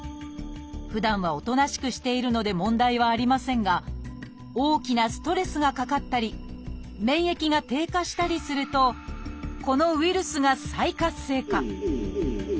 ふだんはおとなしくしているので問題はありませんが大きなストレスがかかったり免疫が低下したりするとこのウイルスが再活性化。